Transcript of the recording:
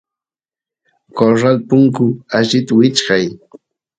corral punku allit wichkay